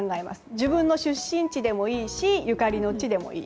自分の出身地でもいいしゆかりの地でもいい。